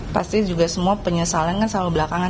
saya juga penyesalan kan selalu belakangan